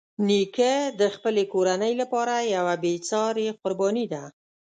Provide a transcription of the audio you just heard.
نیکه د خپلې کورنۍ لپاره یوه بېساري قرباني ده.